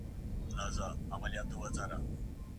پخپل منځ کي ښه او خوشحاله ژوند تېر کړئ.